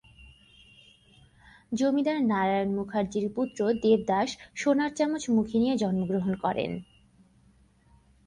জমিদার নারায়ণ মুখার্জির পুত্র দেবদাস সোনার চামচ মুখে নিয়ে জন্মগ্রহণ করে।